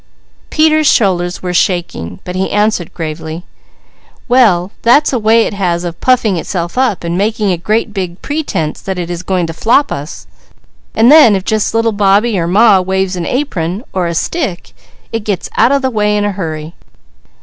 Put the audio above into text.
Peter's shoulders were shaking, but he answered gravely: "Well that's a way it has of puffing itself up and making a great big pretense that it is going to flop us, and then if just little Bobbie or Ma waves an apron or a stick it gets out of the way in a hurry."